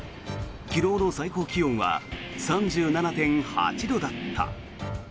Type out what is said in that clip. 昨日の最高気温は３７．８度だった。